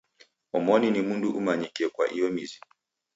Omoni ni mndu umanyikie kwa iyo mizi.